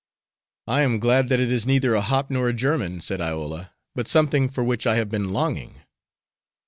"I am glad that it is neither a hop nor a german," said Iola, "but something for which I have been longing."